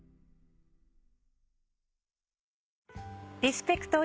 リスペクト！！